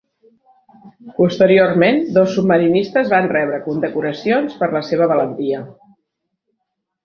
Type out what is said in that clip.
Posteriorment, dos submarinistes van rebre condecoracions per la seva valentia.